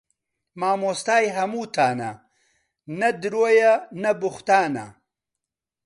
مامۆستای هەمووتانە نە درۆیە نە بووختانە